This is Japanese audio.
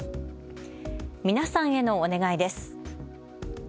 皆さんへのお願いです。